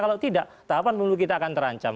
kalau tidak tahapan pemilu kita akan terancam